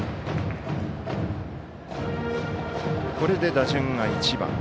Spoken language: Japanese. これで打順が１番。